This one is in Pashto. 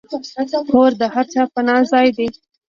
کور د هر چا پناه ځای دی.